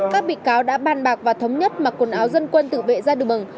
các bị cáo đã bàn bạc và thống nhất mặc quần áo dân quân tự vệ ra đường mừng